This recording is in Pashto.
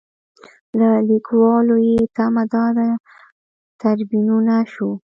له لیکوالو یې تمه دا ده تریبیونونه شو.